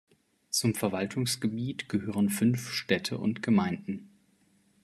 Zum Verwaltungsgebiet gehören fünf Städte und Gemeinden.